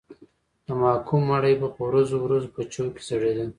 د محکوم مړی به په ورځو ورځو په چوک کې ځړېده.